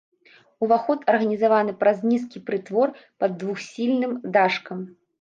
Уваход арганізаваны праз нізкі прытвор пад двухсхільным дашкам.